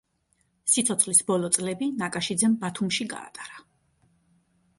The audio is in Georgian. სიცოცხლის ბოლო წლები ნაკაშიძემ ბათუმში გაატარა.